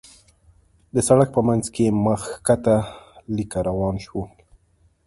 د سړک په مينځ کې مخ کښته ليکه روان شول.